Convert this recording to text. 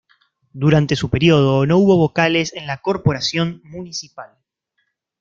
Durante su período, no hubo vocales en la corporación municipal.